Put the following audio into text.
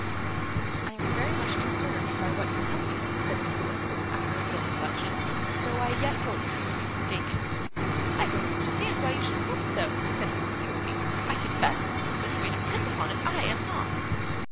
'I am very much disturbed by what you tell me,' said Nicholas, after a little reflection, 'though I yet hope you may be mistaken.' 'I don't understand why you should hope so,' said Mrs. Nickleby, 'I confess; but you may depend upon it I am not.